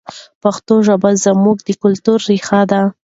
پښتو ژبه زموږ د کلتور ریښه ده.